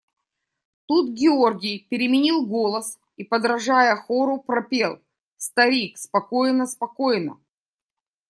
Тут Георгий переменил голос и, подражая хору, пропел: – Старик, спокойно… спокойно!